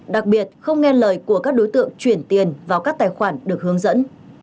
đặc biệt không nghe lời của các đối tượng chuyển tiền vào các tài khoản được hướng dẫn